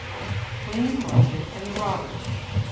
=Queen Margaret and the Robbers.